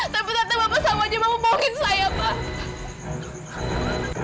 tapi ternyata bapak sama aja mau bohongin saya pak